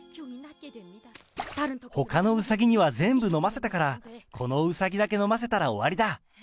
ほかのうさぎには全部飲ませたから、このうさぎだけ飲ませたら終わりだ。